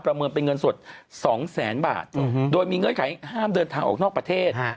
เมินเป็นเงินสด๒แสนบาทโดยมีเงื่อนไขห้ามเดินทางออกนอกประเทศ